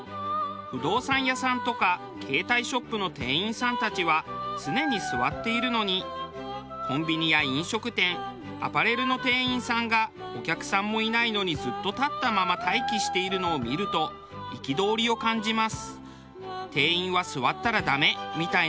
不動産屋さんとか携帯ショップの店員さんたちは常に座っているのにコンビニや飲食店アパレルの店員さんがお客さんもいないのにずっと立ったまま待機しているのを見ると憤りを感じます。